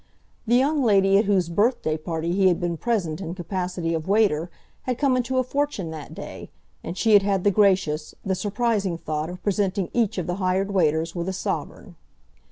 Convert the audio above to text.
The young lady at whose birthday party he had been present in capacity of waiter had come into a fortune that day, and she had had the gracious, the surprising thought of presenting each of the hired waiters with a sovereign!